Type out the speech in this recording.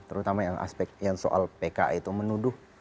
terutama yang aspek yang soal pki itu menuduh